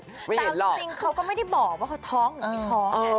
แต่จริงเขาก็ไม่ได้บอกว่าเขาท้องหรือไม่ท้องไง